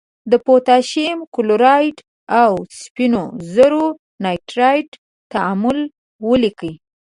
د پوتاشیم کلورایډ او د سپینو زور نایتریت تعامل ولیکئ.